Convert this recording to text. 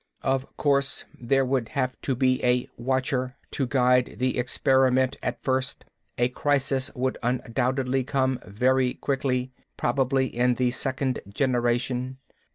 "Of course, there would have to be a Watcher to guide the experiment, at first. A crisis would undoubtedly come very quickly, probably in the second generation.